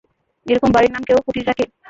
এরকম বাড়ির নাম কেউ কুটির রাখে?